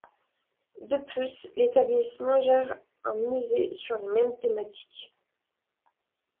De plus, l'établissement gère un musée sur les mêmes thématiques.